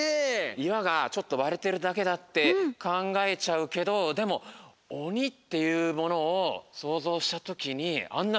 いわがちょっとわれてるだけだってかんがえちゃうけどでもおにっていうものをそうぞうしたときにあんな